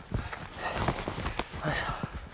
よいしょ。